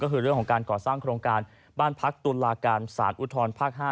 ก็คือเรื่องของการก่อสร้างโครงการบ้านพักตุลาการสารอุทธรภาค๕